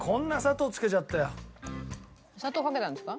砂糖かけたんですか？